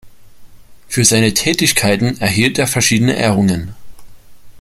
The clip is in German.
Für seine Tätigkeiten erhielt er verschiedene Ehrungen.